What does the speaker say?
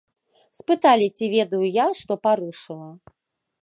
Спыталі, ці ведаю я, што парушыла.